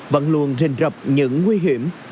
vẫn luôn rình rập những nguy hiểm